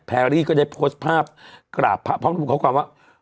แพรรี่ก็ได้โพสต์ภาพกราบพร้อมรับว่า